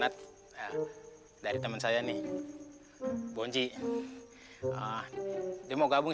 terima kasih mak ayo